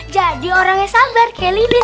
jadi orang yang sabar kayak lilis